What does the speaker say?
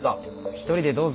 一人でどうぞ。